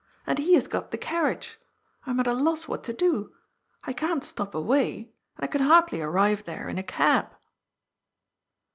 And he has got the carriage. I am at a loss what to do. I can't stop away. And I can hardly arrive there in a cab.''